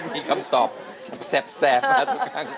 มีคำตอบแซบมาทุกครั้ง